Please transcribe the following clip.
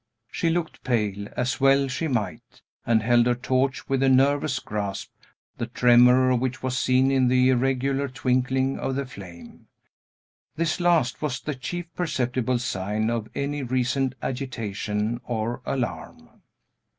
She looked pale, as well she might, and held her torch with a nervous grasp, the tremor of which was seen in the irregular twinkling of the flame. This last was the chief perceptible sign of any recent agitation or alarm.